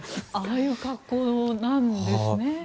ああいう格好なんですね。